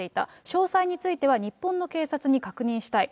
詳細については、日本の警察に確認したい。